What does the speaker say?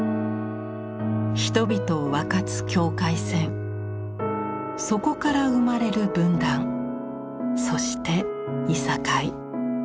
人々を分かつ境界線そこから生まれる分断そしていさかい。